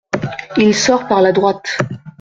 Il sort par la droite.